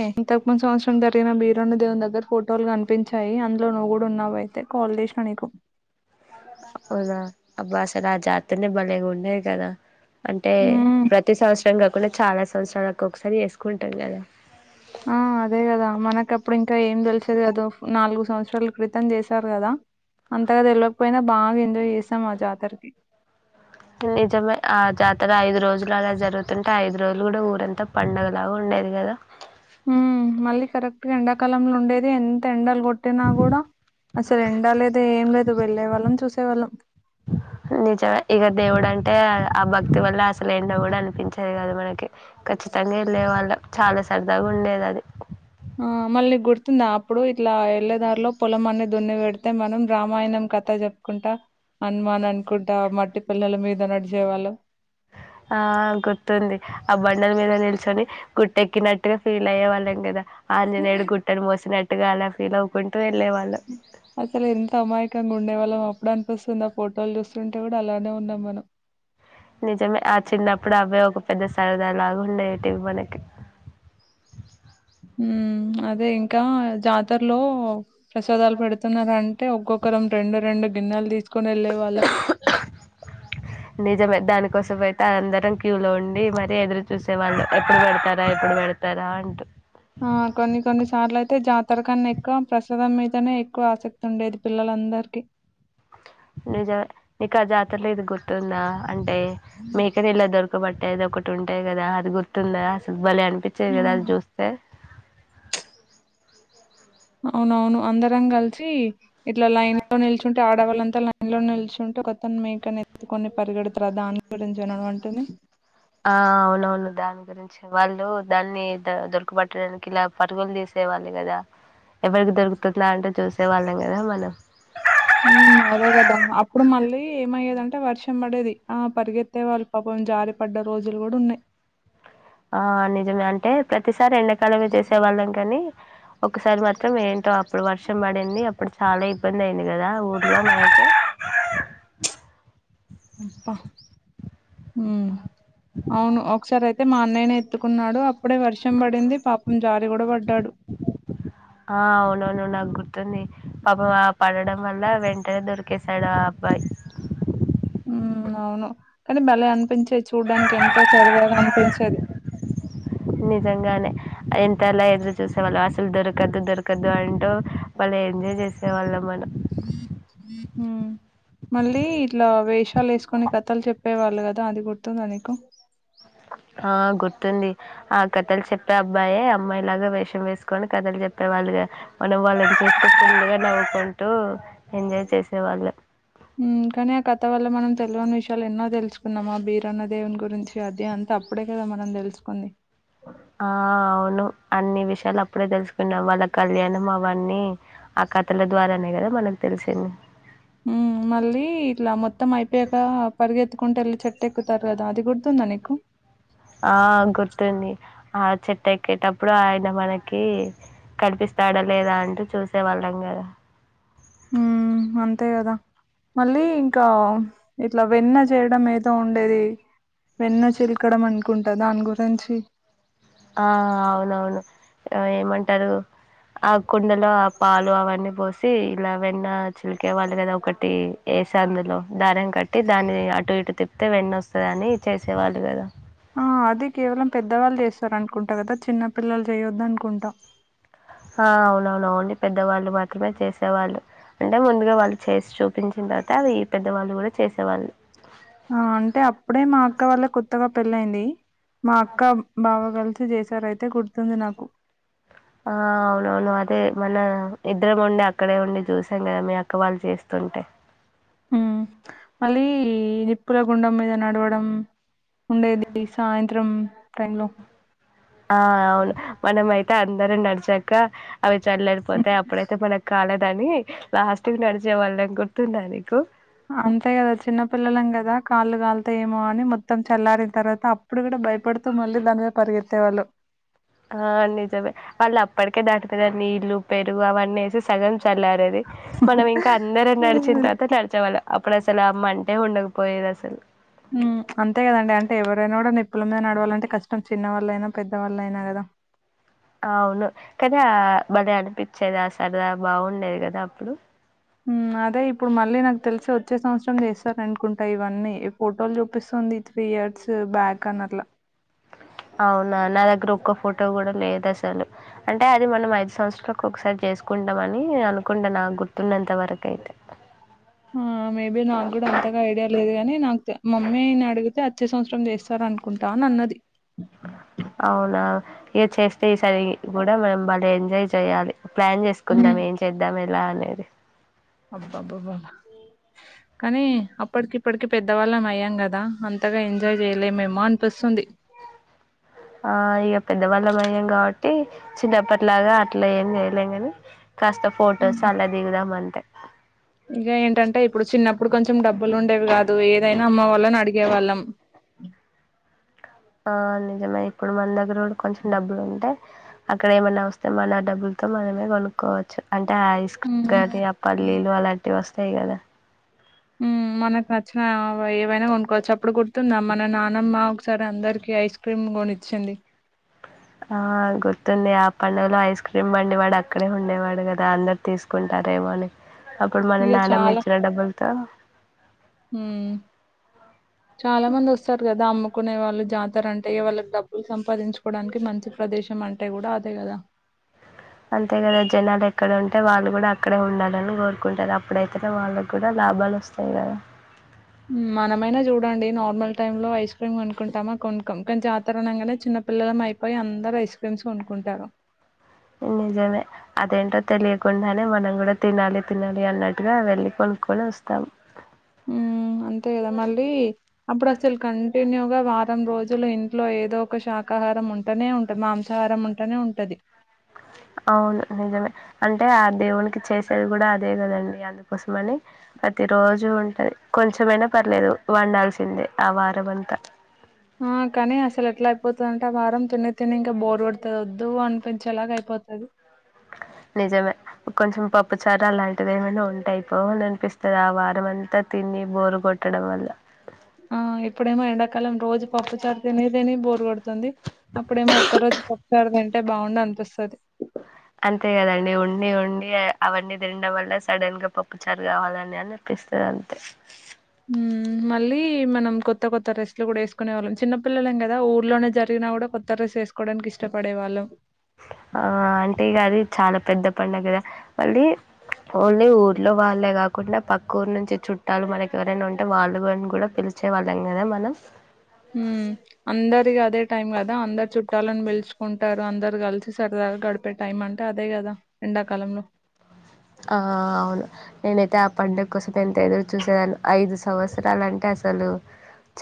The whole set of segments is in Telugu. అ ఇంతకుముందు సంవత్సరం జరిగిన బీరణ్య దేవుని దగ్గర ఫోటోలు కనిపించాయి అందులో నువ్వు కూడా ఉన్నావు అయితే కోల్జ్ పకు అవునా అబ్బా అసలు ఆ జాతనే బలేగా ఉండది కదా అంటే మ్మ్ ప్రతి సంవత్సరం కాకుండా చాలా సంవత్సరాలకు ఒకసారి వేసుకుంటాం కదా ఆ అదే కదా మనకప్పుడు ఇంకా ఏం తెలిసది కదా నాలుగు సంవత్సరాలు క్రితం చేశారు కదా అంతగా తెలియకపోయినా బాగా ఎంజాయ్ చేసాం మా జాతరకి నిజమే ఆ జాతర ఐదు రోజులు అలా జరి జరుగుతుంటే ఐదు రోజులు కూడా ఊరంతా పండగలాగా ఉండేది కదా ఉ మళ్ళీ కరెక్ట్గా ఎండాకాలంలో ఉండేది ఎంత ఎండాలు కూడా పట్టినా కూడా అసలు ఎంండ లేద ఏం లేదు వెళ్ళే వాళ్ళం చూసేవాళ్ళం ఆ నిజం ఇక దేవుడు అంటే ఆ భక్తి వల్ల అసలు ఏంటో కూడా అనిపించేది కదు మనకి ఖచ్చితంగా వెళ్ళే వాళ్ళం చాలా సరదాగా ఉండేది అది ఆ మళ్ళీ గుర్తుందా అప్పుడు ఇట్లా ఎళ్ళదారిలో పొలం అన్ని దున్ని పెడితే మనం రామాయణం కథ చెప్పుకుంటా అనుమాన్ అనుకుంటా మట్టి పిల్లల మీద నడిచేవాళ్ళు ఆ ఆ గుర్తుంది ఆ బండల మీద నిల్చొని గుట్టెక్కినట్టుగా ఫీల్ అయ్యే వాళ్ళం కదా ఆంజనేయుడు గుట్టను మోసినట్టుగా అలా ఫీల్ అవుకుంటే అసల ఎంత అమాయకంగా గుండెవాల్ళ మలం అప్పుడు అనిపిస్తుంది ఆ ఫోటోలు చూస్తుంటే కూడా అలానే ఉన్నాం మనం నిజమే అచ ఇన్నా పడావే పెద్ద సరదా లాగా ఉండేటివి మనకి ఉమ్ అదే ఇంకా జాతరలో ప్రసాదాలు పెడుతున్నారంటే ఒక్కొక్క రెండు రెండు గిన్నెలు తీసుకుొని వెళ్ళే వాళ్ళు ఆ నిజమే దానికోసం పోయితే అ అందరం క్యూ లో ఉండి మరి ఎదురు చూసేవాళ్ళు ఎప్పుడు పెడతారా ఎప్పుడు పెడ అతరాంట ఆ కొన్ని కొన్నిసార్లు అయితే జాతర కన్నా ఎక్కువ ప్రసాదం మీదనే ఎక్కువ ఆసక్తి ఉండేది పిల్లల అందరికి అ నిజ నీకు ఆ జాతరలో ఇది గుర్తుందా అంటే మీక ఇలా దొరుక్ కుబట్టేది ఒకటి ఉంటాయి కదా అది గుర్తుందా అసలు బలే అనిపించేది కదా అది చూస్తే అవునవును అందరం కలిసి ఇట్లా లైన్ లో నిల్చుంటే ఆడవాళ్ళంతా లైన్ లో నిల్చ్ చుంటే ఒకతను మీకని ఎత్తుకొని పరిగెడుతరు దాని గురించిన నువ్ అంటుంది. ఆ అవునవును దాని గురించే వాళ్ళు దాన్ని ద దొరకబట్టడానికి ఇలా పరుగులు తీస్ వాళ్ళే కదా ఎవరికి దొరుకుతుందా అంటే చూసే వాళ్ళం కదా మనం. ఉ అదే కదా అప్పుడు మళ్ళీ ఏమయ్యేదంటే వర్షం పడేది ఆ పరిగెత్తే వాళ్ళు పాపం జారి పడ్డ రోజులు కూడా ఉన్నాయ్ ఆ నిజమే అంటే ప్రతిసారి ఎండాకాలమే చేసే వాళ్ళం కాని ఒకసారి మాత్రం ఏంటో అప్పుడు వర్షం పడింది, అప్పుడు చాలా ఇబ్బంది అయింది కదా ఊర్లో మనక్ [inaudible] ఉ ప ఉ అవును ఒకసారి అయిత్ అయితే మా అన్నయ్యని ఎత్తుకున్నాడు అప్పుడే వర్షం పడింది పాపం జారి గూడా పడ్డాడు. ఆ అవునవును నాకు గుర్త్ తుంది పాపం ఆలా పడడం వల్ల వెంటనే దొరికేసాడు ఆ అబ్బాయి. ఉ అవును కానీ భలే అనిపించేది చూడ్డానికి ఎంతో సరదాగా అనిపించేది. నిజంగానే ఎంతేలా ఎదురు చూసేవాళ్ళు అసలు దొరకద్దు దొరకద్దు అంటూ భలే ఎంజాయ్ చేయ్ చేసేవాళ్ళం మన్ ఉ మళ్ళీ ఇట్లా వేషాలు వేసుకొని కథలు చెప్పే వాళ్ళు కదా అది గుర్తుందా నీకు. ఆ గుర్తుంది ఆ కథలు చెప్పే అబ్బాయే అమ్మాయి లాగా వేషం వేసుకొని కథలు చెప్పేవాళ్ళుగా. మనం వాళ్ళను చూస్తూ పుల్ గా నవ్వుకుంటూ ఎంజాయ్ చేసే వాళ్ళం. ఉ కాని ఆ కథ వల్ల మనం తెలవని విషయాలు ఎన్నో తెలుసుకున్నాం ఆ బీరన్న దేవుని గురించి అదే అం అప్పుడే కదా మనం తెలుసుకుంది ఆ అవును అన్ని విషయాలు అప్పుడే తెలుసుకున్నాం, వాళ్ళ కళ్యాణం ఆ అవన్నీ కథల ద్వారానే కదా మనకు తెలిసింది ఉ మళ్ళీ ఇట్లా మొత్తం అయిపోయాక పరిగెత్తుకుంటూ వెళ్ళి చెట్ టు ఎక్కుతారు కదా అది గుర్తుందా నీకు ఆ గుర్తుంది ఆ చెట్టు ఎక్కేటప్పుడు ఆయన మనకి కనిపిస్తాడా లేదా అంటూ చూసేవాళ్ళం కదా హు అంతే కదా మళ్ళీ ఇంకా ఇట్లా వెన్న చేయడం నేర్ ఉండేది వెన్న చిల్కడం అనుకుంటా దాని గురించి ఆ అవునవును ఏమంటారు. ఆ కుండలో ఆ పాలు అవన్నీ పోస్ తీ ఇలా వెన్న చిలికే వాళ్ళు కదా ఒకటి యేస అందులో దారం కట్టి దాని అటు ఇటు తిప్తే వెన్న వస్తదని చేసేవాళ్ళు కదా ఆ అది కేవలం పెద్దవాళ్ళు చేస్తారునుకుంటా కదా చిన్నపిల్లలు చేయొద్దు అనుకుంటా. హ అవునవున అవుండి పెద్దవాళ్ళు మాత్రమే చేసేవాళ్ళు. అంటే ముందుగా వాళ్ళు చేసి చూపించిన తర్వాత అవి పెద్దవాళ్ళు కూడా చేసేవాళ్ళు. ఆ అంటే అప్పుడే మా అక్క వాళ్ళు కొత్తగా పెళ్ళయింది మా అక్క బావ కలిస్ త్ చేశారైతే గుర్తుంది నాకు ఆ అవునవును అదే మన ఇద్దరం ఉండి అక్కడే ఉండి చూసాం కదా మీ అక్క వాళ్ళు చేస్తు ఉంటే ఉ మళ్ళీ నిప్పుల గుండం మీద నడవడం ఉండేది సాయంత్రం టైం లో ఆ అవును మనమయితే అందరం నడిచాక్ క అవి చల్లారిపోతాయి అప్పుడైతే మనక్ కాలద్ అని లాస్ట్ కి నడిచే వాళ్ళం గుర్తుందా నీకు అంతే గదా చిన్న పిల్లలం గదా, కాళ్ళు కాల్తయేమో అని మొత్తం చల్లారిన్తర్వాత అప్ ప్పుడు గూడ భయపడుతూ మళ్ళీ దాని మీద పరిగెత్తేవాళ్ళు ఆ నిజమే వాళ్ళప్పటికే దాటుతున్నరు, నీళ్ళు పెరుగు అవన్నేసి సగం చల్లారేది మనం ఇంక అందరం నడిచిన్తర్త నడిచే వాళ్ళం అప్పుడసలు ఆ మంటే ఉండకపోయేదసలు ఉమ్ అంతే గదాండి అంటే ఎవరైనా గుడా నిప్ ప్పుల మీద నడవాలంటే కష్టం, చిన్నవాళ్ళైనా పెద్దవాళ్ళైనా గదా అవును కనా బలే అనిపిచ్చేది అసలు ఆ బాగుండేది గదా అప్పుడు ఉమ్ అదే ఇప్పుడు మళ్ళీ నాకు తెల్సి వచ్చే సంవత్సరం చేస్తారనుకుంటా ఇవన్నీ ఫోటోలు చూపిస్తుంది ఇ త్రీ ఇయర్ అవునా నాదగ్గరోక్ క్క ఫోటో గుడా లేదసలు అంటే అది మనం ఐదు సంవత్సరాలకొకసారి చేసుకుంటమనీ అనుకుంట్ టె నాగుర్తున్నంత వరకయితే ఆ! ని నాకు తె మమ్మీ నడుగుతే అచ్చే సంవత్సరం చేస్తారనుకుంటా అనన్నది. అవునా ఇగ చేస్తే ఈ సరి గుడా మేం బాగా ఎంజాయ్ చేయాలి. ప్లాన్ చేసుకుందాం ఏం చేద్దాం ఎలా అనేది అబ్బ అబ్బబ్బాబ్బ కనీ అప్పటికి ఇప్పటికి పెద్దవాళ్ళమ్ అయ్యాం గదా అంత్ త్తగా ఎంజాయ్ చేయలేమేమో అన్పిస్తుంది. ఆ ఇగ పెద్దవాళ్ళమయ్యాం కాబట్టి చిన్నప్పటిలాగా అట్లా ఏం చేయలేం గనీ కాస్త ఫొటోస్ అలా దిగుదామంతే ఇగ ఏంటంటే ఇప్పుడు చిన్నప్పుడు కొంచెం డబ్బులు ఉండేవి గాదు ఏదైనా అమ్మ వాళ్ళన్ అడిగేవాళ్ళం ఉమ్ ఆ నిజమే ఇప్పుడు మన దగ్గర కూడ కొంచెం డబ్బులు ఉంటయ్ అక్కడ ఏమన్నా వస్తే మన డబ్బుల్తో మనమే కొనుక్కోవచ్చు. అంటే ఐస్ క్రీమ్ కానీ ఆ హ్మ్. పల్లీలు అలాంటివి ఒస్తయి గదా ఉమ్ మనక్ నచ్చినయ్ ఆ వ ఏవైనా కొనుక్కోవచ్చు అప్పుడు గుర్తుంద మన నానమ్మ ఒకసారి అందరికి ఐస్ క్రీమ్ గొనిచ్చింది. ఆ గుర్తుంద్ పండగలో ఐస్ క్రీమ్ బండివాడక్కడే ఉండేవాడు కదా అందరు తీసుకుంటారేమో అని. అప్పుడు మన ఇగ చాలా నానమ్మిచ్చిన డబ్బుల్తో మ్మ్ చాలా మంది ఒస్తరు గదా అమ్ముకునే వాళ్ళు జాత్ తరంటే వాళ్ళకి డబ్బులు సంపాదించుకోవడానికి మంచి ప్రదేశం అంటే గూడ అదే గదా అంతే కదా జనాలెక్కడ ఉంటే వాళ్ళు గూడ అక్కడే ఉండాలని కోరుకుంటరు అప్పుడైతేనే వాళ్ళక్కుడా లాభాలొస్తయి గదా మనమైనా జూడండి నార్మల్ టైంలో ఐస్ క్రీమ్ కొనుకుంటమా కొనుక్కోం కనీ జాతరణంగనే చిన్న పిల్లలమయిపోయి అందరు ఐస్ క్రీమ్స్ కొనుక్కుంటారు. నే నిజమే అదేంటో తెలియకుండానే మనం గుడా తినాలి తినాలి అన్నట్టుగా వెళ్ళి కొనుక్కోని ఒస్తాం. ఉమ్ అంతే గదా మళ్ళీ అప్పుడస్సలు కంటిన్యూగా వార్ త్తం రోజుల్లో ఇంట్లో ఏదో ఒక శాకాహారం ఉంటనే ఉంటది మాంసాహారం ఉంటనే ఉంటది. అ అవును నిజమే అంటే ఆ దేవునికి చేసేది గూడ అదే కదండి అందుకోసమని ప్రత్ రోజు ఉంటది కొంచెమైనా పర్లేదు వండాల్సిందే ఆ వారమంతా పోతాంటే ఆ వారం తిని తినీ ఇంకా బోర్ కోడుతది ఒద్దు అనిపించేలాగ అయిపోతది. ఆ నిజమే కొంచెం పప్పుచారు అలాంటివి ఏమైనా ఉంటాయిపోవ్ అననిపిస్తది ఆ వారమంతా తిన్ ని బోరు కొట్టడం వల్ల ఆ ఇప్పుడేమో ఎండాకాలం రోజు పప్పు చారు తినీ తిని బోరు కొడుతుంది. అప్పుడేమో ఒక్క రోజు పప్చారు తింటే బావుండనిపిస్తది. అంతే కదండి ఉండి ఉండి అవన్నీ తినడం వల్ల సడన్ గా పప్పు చారు గావాలని అని ప్పి వస్తుేద అంతే [unintelligible] మ్ మళ్ళీ! మనం కొత్త కొత్త డ్రెస్లు కూడా వేసుకునే వాళ్ళం. చిన్న పిల్లలం కదా ఊర్లోనే జరిగినా కూడా కొత్త డ్రెస్ వేసుకోడానికి. ఇష్టపడే వాళ్ళం. ఆ! అంటే గది చాలా పెద్ద పండుగ గదా మళ్ళీ. ఓన్లీ ఊర్లో వాళ్ళే కాకుండా పక్క ఊరు నుంచి చుట్టాలు మనకి ఎవరైనా ఉంటే వాళ్ళుని కూడా పిల్ వచ్చే వాళ్ళం కదా మనం. అందరికి అదే టైం కదా అందరూ చుట్టాలని పెలుచుకుంటారు అందరూ కలిసి. సరదాగా గడిపే టైం అంటే అదే కదా. ఎండాకాలంలో ఆ! అవును. నేనైతే ఆ పండుగ కోసం ఎంత ఎదురు చూసేదాన్ని, ఐదు సంవత్సరాలంటే అసలు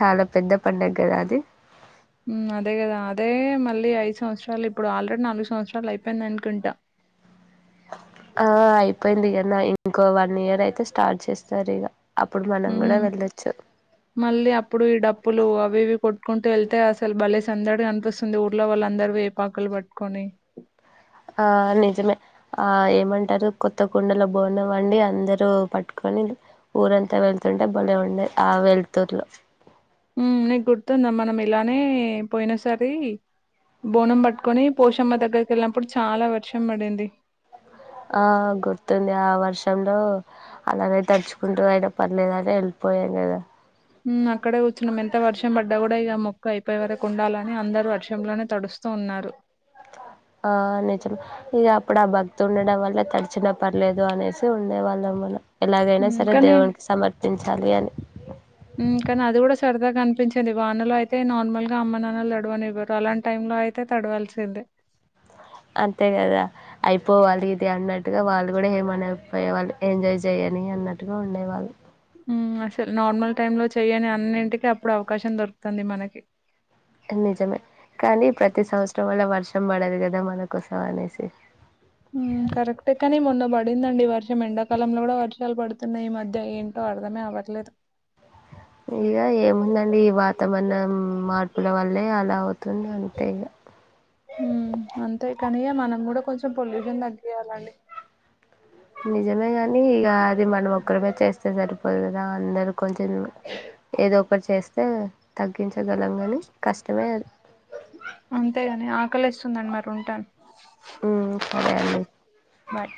చాలా పెద్ద పండుగ కదా అది అదే కదా అదే మళ్ళీ ఐదు సంవత్సరాలు ఇప్పుడు ఆల్రెడీ నాలుగు సంవత్సరాలు అయిపోయింది అనుకుంటా. [inaudible] ఆ అయిపోయింది ఇంకో వన్ ఇయర్ అయితే స్టార్ట్ చేస్తారు ఇగ. మనం కూడా హ్మ్ వెళ్ళొచ్చు. మళ్ళీ అప్పుడు ఈ డప్పులు అవి ఇవి కొట్టుకుంటూ వెళ్తే అసలు భలే సందడిగా అనిపిస్తుంది ఊర్లో. వాళ్ళందరూ వేపాకలు పట్టుకొని. ఆ నిజమే ఆ ఏమం అంటారు కొత్త కుండలో బోనం వండి అందరూ పట్టుకొని ఊరంతా వెళ్తుంటే బలే ఉండ. ఆ వెళుతుర్ హ్మ్ నీకు గుర్తుందా మనం ఇలానే పోయిన సారి బోనం పట్టుకొని పోషమ్మ దగ్గరికి వెళ్ళినప్పుడు చాలా వర్షం పడింది. ఆ గుర్తుంది ఆ వర్షం. లో అలానే తడుచుకుంటూ అలాగే పర్లేదు అని వెళ్ళిపోయాం కదా. అక్కడే కూర్చున్నాం ఎంత వర్షం పడ్డా కూడా ఇక మొక్కు అయిపోయే వరకు ఉండాలని అందరూ వర్షం. వర్షంలోనే తడుస్తూ ఉన్నారు. అ [inaudible] ఆ నిజమే ఇక అప్పుడు ఆ భక్తి ఉండడం వల్ల తడిచిన పర్లేదు అనేసి ఉండే వాళ్ళం మళ్ళా. ఎలాగైనా హ్మ్ సరే కానీ దేవునికి సమర్పించాలి అని కానీ అది కూడా సరదాగా కనిపించేది. వానలో అయితే నార్మల్ గా అమ్మ నాన్నలు తడవనవ్వరు అలాంటి టైం లో అలా అయితే తడవాల్సిందే. అంతే కదా హ్మ్. అయిపోవాలి ఇది అన్నట్టు వాళ్ళు కూడా ఏమని అనకపోయేవాళ్ళు ఎంజాయ్ చేయనీ అన్నట్టుగా ఉండేవాళ్ళు. ఊ అసలు నార్మల్ టైమ్ లో చెయ్యని అన్నింటిక అప్పుడు అవకాశం దొరుకుతుంది మనకి. నిజమే, కానీ ప్రతి సంవత్సరం వల్ల వర్షం. వర్షం పడదు కదా మన కోసం అనేసి. కరెక్టే కాని మొన్న పడిందండి ఈ వర్షం ఎండాకాలంలో కూడా వర్షాలు పడుతున్నాయి. ఈ మధ్య ఏంటో పడదమే అవ్వట్లేదు ఇక ఏముందండి ఈ వాతం మనం మార్పుల వల్లే అలా అవుతుంది అంతే ఇక మ్! అంతే ఇ కాని మనం కూడా కొంచెం పొల్యూషన్ తగ్గయాలండి. నిజమే గాని ఇగ అది మనం ఒక్కరిమే చేస్తే సరిపోదు కదా అందరూ. కొంచెం ఏదో ఒకటి చేస్తే తగ్గించగలం కానీ కష్టమే అది. అంతేగాని ఆకలేస్తుండి మరి ఉంటాను. ఉ సరే అండి. బాయ్.